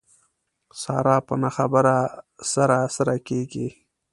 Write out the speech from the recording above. ساره په نه خبره سره سره کېږي.